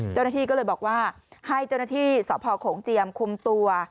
เจ้าหน้าที่ก็เลยบอกว่าให้เจ้าหน้าที่สพโขงเจียมคุมตัว